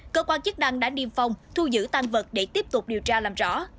cơ quan chức đăng đã niêm phong thu giữ tan vật để tiếp tục điều tra làm rõ